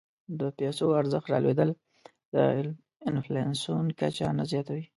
د پیسو ارزښت رالوېدل د انفلاسیون کچه نه زیاتوي.